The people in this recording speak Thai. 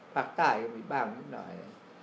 ภาคใต้ของตะว่านิดหน่อย